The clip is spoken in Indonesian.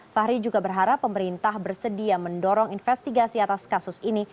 fahri juga berharap pemerintah bersedia mendorong investigasi atas kasus ini